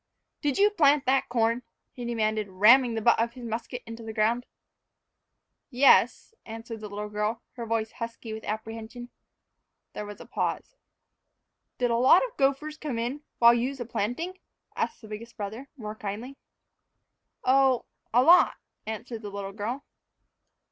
"Did you plant that corn?" he demanded, ramming the butt of his musket into the ground. "Yes," answered the little girl, her voice husky with apprehension. There was a pause. "Did a lot of gophers come in while you's a planting?" asked the biggest brother, more kindly. "Oh, a lot," answered the little girl.